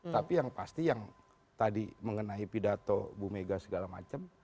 tapi yang pasti yang tadi mengenai pidato bu mega segala macam